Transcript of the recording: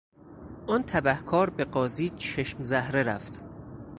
آن تبهکار به قاضی چشم زهره رفت.